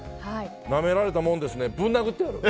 なめられたもんですね。